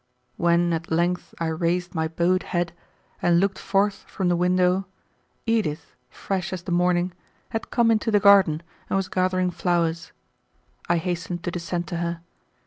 When at length I raised my bowed head and looked forth from the window, Edith, fresh as the morning, had come into the garden and was gathering flowers. I hastened to descend to her.